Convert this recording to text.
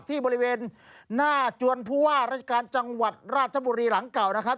ที่บริเวณหน้าจวนผู้ว่าราชการจังหวัดราชบุรีหลังเก่านะครับ